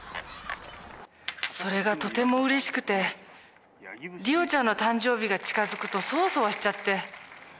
それがとてもうれしくてりおちゃんの誕生日が近づくとそわそわしちゃって。